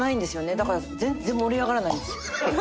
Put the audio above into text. だから全然盛り上がらないんですよ。